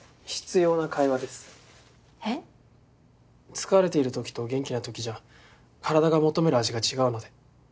疲れている時と元気な時じゃ体が求める味が違うので。